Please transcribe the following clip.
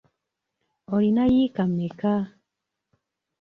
Olina yiika mmeka?